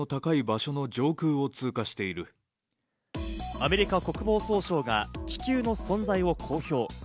アメリカ国防総省が気球の存在を公表。